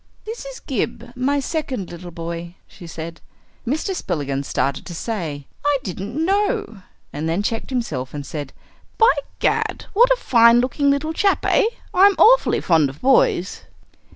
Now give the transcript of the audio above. "This is Gib, my second little boy," she said. Mr. Spillikins started to say, "I didn't know " and then checked himself and said, "By Gad! what a fine looking little chap, eh? I'm awfully fond of boys."